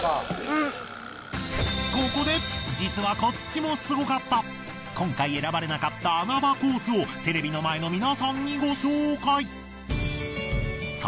ここで実はこっちもスゴかった今回選ばれなかった穴場コースをテレビの前の皆さんにご紹介。